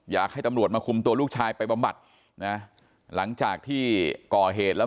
อยากให้ตำรวจมาคุมตัวลูกชายไปบำบัดนะหลังจากที่ก่อเหตุแล้ว